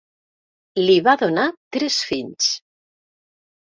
Li va donar tres fills.